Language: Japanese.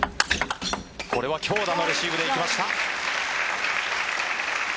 これは強打のレシーブでいきました。